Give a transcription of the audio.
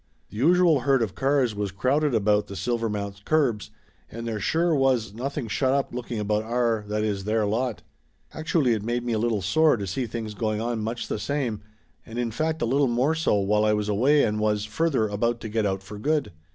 The usual herd of cars was crowded about the Sil vermount curbs, and there sure was nothing shut up looking about our that is, their, lot ! Actually it made me a little sore to see things going on much the same Laughter Limited 327 and in fact a little more so while I was away and was, further, about to get out for good.